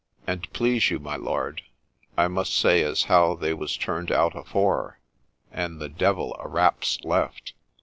' An't please you, my lord, I must say as how they was turned out afore, and the devil a rap 's left.'